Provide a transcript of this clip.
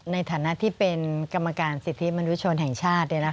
ในฐานะที่เป็นกรรมการสิทธิมนุชนแห่งชาติ